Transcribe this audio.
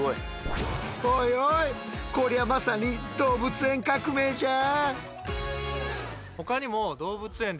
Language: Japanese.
おいおいこりゃまさに動物園革命じゃあ！